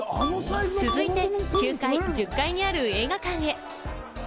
続いて９階、１０階にある映画館へ。